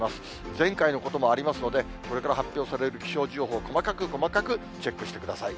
前回のこともありますので、これから発表される気象情報、細かく細かくチェックしてください。